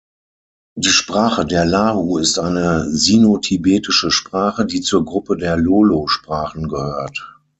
Die Sprache der Lahu ist eine sinotibetische Sprache, die zur Gruppe der Lolo-Sprachen gehört.